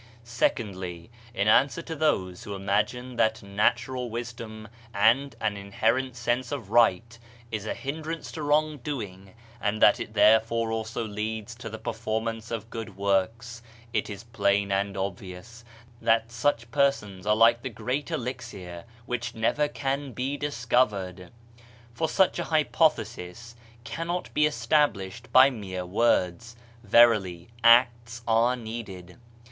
Secondly, in answer to those who imagine that natural wisdom and an inherent sense of right is a hindrance to wrong doing and that it therefore also leads to the performance of good works, it is plain and obvious that such persons are like the great Elixir which never can be discovered. For such a hypothesis cannot be established by mere words; verily acts are needed.